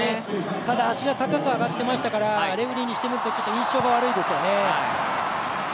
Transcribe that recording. ただ足が高く上がってましたから、レフェリーにしてみればちょっと印象が悪いですよね。